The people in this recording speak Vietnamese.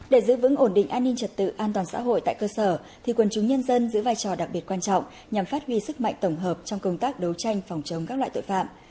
để giữ vững ổn định an ninh trật tự an toàn xã hội tại cơ sở thì quân chúng nhân dân giữ vai trò đặc biệt quan trọng nhằm phát huy sức mạnh tổng hợp trong công tác đấu tranh phòng chống các loại tội phạm